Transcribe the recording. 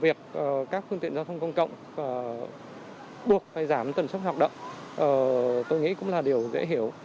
việc các phương tiện giao thông công cộng buộc phải giảm tần suất hoạt động tôi nghĩ cũng là điều dễ hiểu